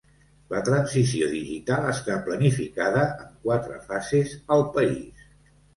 La transició digital està planificada en quatre fases al país.